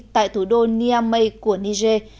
tại thủ đô niamey của niger